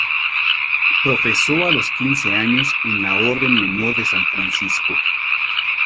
Profesó a los quince años en la Orden menor de San Francisco.